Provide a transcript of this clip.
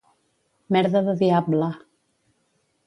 Merda de diable.